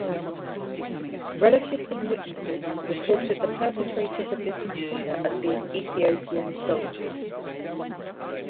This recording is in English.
Relatives and witnesses reported the perpetrators of this massacre as being Ethiopian soldiers.